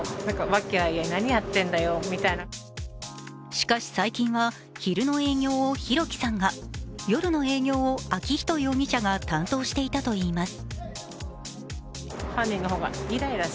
しかし最近は、昼の営業を弘輝さんが夜の営業を昭仁容疑者が担当していたといいます。